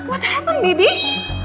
apa yang terjadi baby